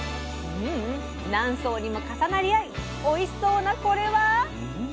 何層にも重なり合いおいしそうなこれは！